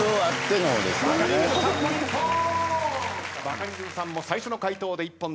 バカリズムさんも最初の回答で一本。